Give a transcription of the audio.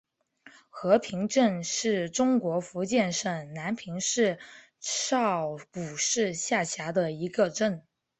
和平镇是中国福建省南平市邵武市下辖的一个镇。